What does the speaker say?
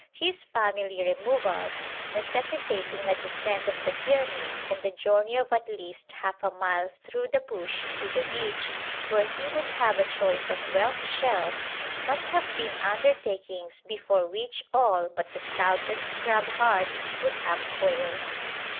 His family removals, necessitating a descent of the pyramid and a journey of at least half a mile through the bush to the beach, where he would have a choice of whelk shells, must have been undertakings before which all but the stoutest crab hearts would have quailed.